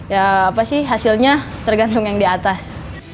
ya apa sih hasilnya tergantung yang di atas